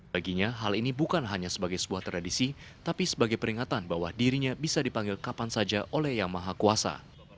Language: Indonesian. baginya hal ini bukan hanya sebagai sebuah tradisi tapi sebagai peringatan bahwa dirinya bisa dipanggil kapan saja oleh yang maha kuasa